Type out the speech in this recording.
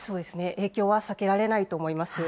影響は避けられないと思います。